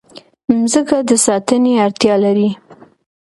مځکه د ساتنې اړتیا لري.